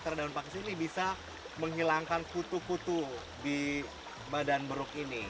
karena daun pakis ini bisa menghilangkan kutu kutu di badan beruk ini